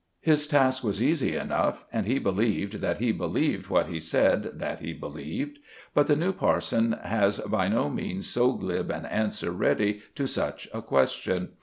His task was easy enough, and he believed that he believed what he said that he believed. But the new parson has by no means so glib an answer ready to such a question.